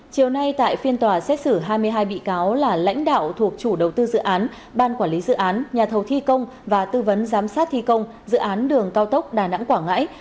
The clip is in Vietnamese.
chiều nay tại phiên tòa xét xử hai mươi hai bị cáo là lãnh đạo thuộc chủ đầu tư dự án ban quản lý dự án nhà thầu thi công và tư vấn giám sát thi công dự án đường cao tốc đà nẵng quảng ngãi